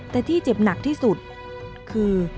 แต่ที่เจ็บหนักที่สุดคือ